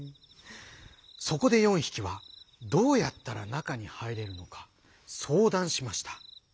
そこで４ひきはどうやったらなかにはいれるのかそうだんしました。